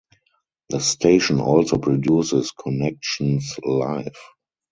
The station also produces Connections Live!